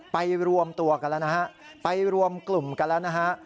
รวมตัวกันแล้วนะฮะไปรวมกลุ่มกันแล้วนะฮะ